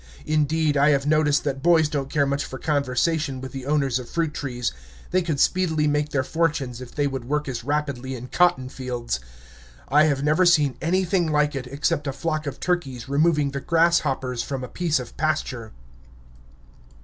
Indeed, I have noticed that boys don't care much for conversation with the owners of fruit trees. They could speedily make their fortunes if they would work as rapidly in cotton fields. I have never seen anything like it, except a flock of turkeys removing the grasshoppers from a piece of pasture.